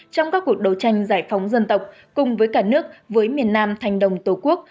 trong các cuộc đấu tranh giải phóng dân tộc cùng với cả nước với miền nam thành đồng tổ quốc